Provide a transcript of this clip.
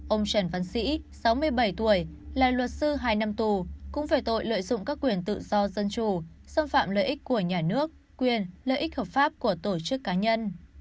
ông trần văn sĩ sáu mươi bảy tuổi là luật sư hai năm tù cũng về tội lợi dụng các quyền tự do dân chủ xâm phạm lợi ích của nhà nước quyền lợi ích hợp pháp của tổ chức cá nhân